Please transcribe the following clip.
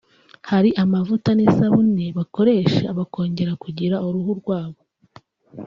hari amavuta n’isabune bakoresha bakongera kugira uruhu rwabo